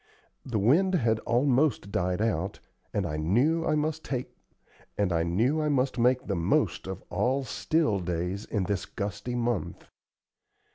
The wind had almost died out, and I knew I must make the most of all still days in this gusty month.